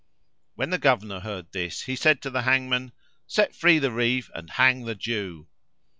When the Governor heard this he said to the hangman, "Set free the Reeve and hang the Jew."